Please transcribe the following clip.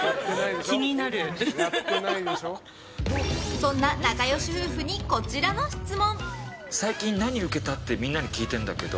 そんな仲良し夫婦にこちらの質問。